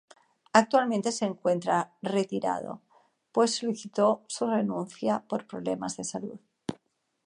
Actualmente se encuentra retirado, pues solicitó su renuncia por problemas de salud.